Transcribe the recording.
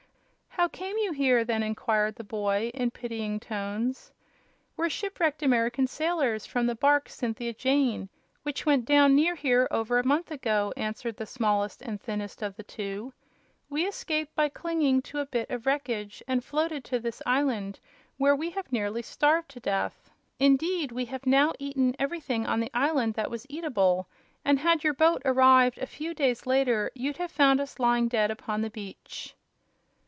"How came you here?" then inquired the boy, in pitying tones. "We're shipwrecked American sailors from the bark 'Cynthia Jane,' which went down near here over a month ago," answered the smallest and thinnest of the two. "We escaped by clinging to a bit of wreckage and floated to this island, where we have nearly starved to death. Indeed, we now have eaten everything on the island that was eatable, and had your boat arrived a few days later you'd have found us lying dead upon the beach!"